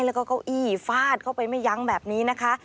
แล้วก็เก้าอี้ฟาดเข้าไปไม่ยั้งแบบนี้นะคะ